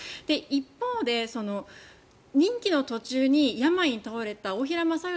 一方で、任期の途中に病に倒れた大平正芳さん